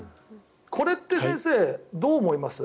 これって先生、どう思います？